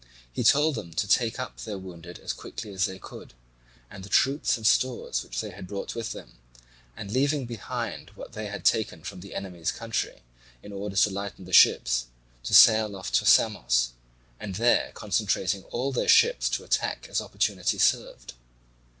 He told them to take up their wounded as quickly as they could and the troops and stores which they had brought with them, and leaving behind what they had taken from the enemy's country, in order to lighten the ships, to sail off to Samos, and there concentrating all their ships to attack as opportunity served.